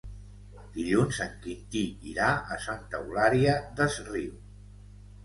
Dilluns en Quintí irà a Santa Eulària des Riu.